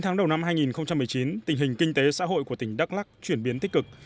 sáu tháng đầu năm hai nghìn một mươi chín tình hình kinh tế xã hội của tỉnh đắk lắc chuyển biến tích cực